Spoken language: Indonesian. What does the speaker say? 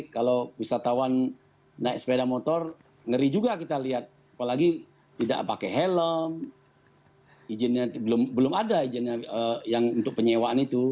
kalau wisatawan naik sepeda motor ngeri juga kita lihat apalagi tidak pakai helm izinnya belum ada izin yang untuk penyewaan itu